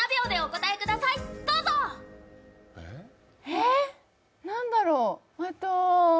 えっ、なんだろう。